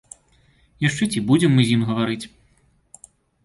Яшчэ ці будзем мы з ім гаварыць.